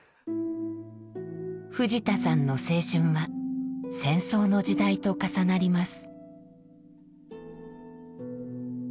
藤田さんの青春は戦争の時代と重なります。